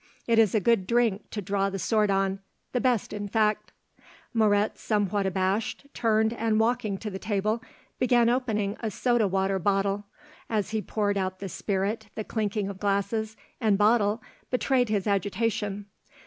It is a good drink to draw the sword on, the best in fact." Moret somewhat abashed turned and walking to the table began opening a soda water bottle. As he poured out the spirit the clinking of glass and bottle betrayed his agitation.